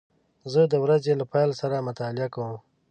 زه د ورځې له پیل سره مطالعه کوم.